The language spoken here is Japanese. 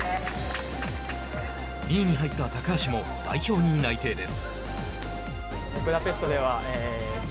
２位に入った高橋も代表に内定です。